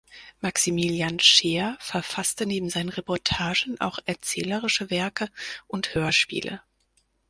Maximilian Scheer verfasste neben seinen Reportagen auch erzählerische Werke und Hörspiele.